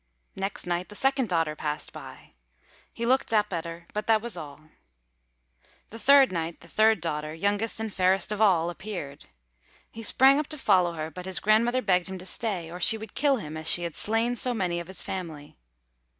Next night, the second daughter passed by; he looked up at her, but that was all. The third night, the third daughter, youngest and fairest of all, appeared. He sprang up to follow her; but his grandmother begged him to stay, or she would kill him as she had slain so many of his family.